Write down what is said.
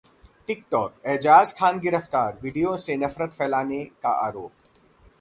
TikTok: Ejaz Khan गिरफ्तार, video से नफरत फैलाने का आरोप